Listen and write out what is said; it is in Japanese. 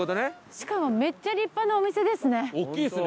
しかもめっちゃ立派なお店ですね。